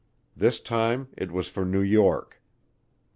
This time it was for New York.